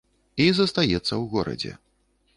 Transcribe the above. І застаецца ў горадзе.